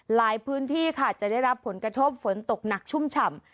หลายพื้นที่ค่ะจะได้รับผลกระทบฝนตกหนักชุ่มฉ่ำ